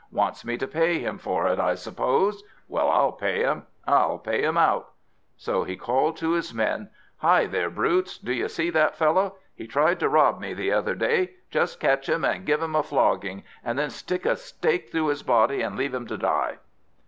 Wants me to pay him for it, I suppose! Well, I'll pay him! I'll pay him out!" So he called to his men: "Hi there, brutes! do you see that fellow? He tried to rob me the other day just catch him and give him a flogging, and then stick a stake through his body, and leave him to die!"